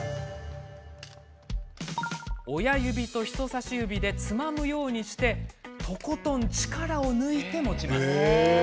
親指と人さし指でつまむようにしてとことん力を抜いて持ちます。